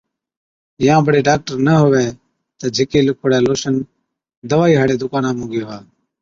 يان بڙي ڊاڪٽرا نہ هُوَي تہ جھِڪي لِکوڙَي لوشن دوائِي هاڙي دُڪانا مُون گيهوا،